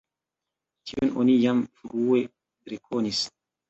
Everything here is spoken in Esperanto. Tion oni jam frue rekonis.